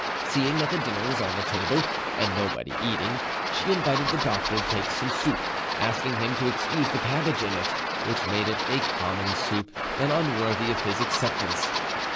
Seeing that the dinner was on the table and nobody eating, she invited the doctor to take some soup, asking him to excuse the cabbage in it, which made it a common soup and unworthy of his acceptance.